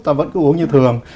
ta vẫn cứ uống như thường